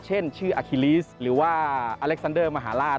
เช่นชื่ออาคิลิสหรือว่าอเล็กซันเดอร์มหาราช